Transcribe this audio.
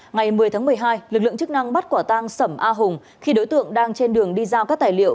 ngày một mươi tháng một mươi hai lực lượng chức năng bắt quả tang sẩm a hùng khi đối tượng đang trên đường đi giao các tài liệu